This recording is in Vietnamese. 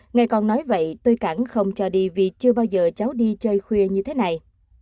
ngày còn nói vậy tôi cản không cho đi vì chưa bao giờ cháu đi chơi khuya như thế này